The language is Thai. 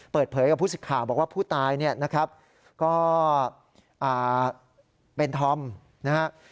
เปิดเผยกับผู้สิทธิ์ข่าวบอกว่าผู้ตายก็เป็นธรรมนะครับ